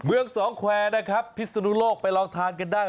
เมืองสองแควร์นะครับพิศนุโลกไปลองทานกันได้